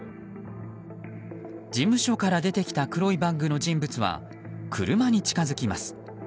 事務所から出てきた黒いバッグの人物は車に近づきます。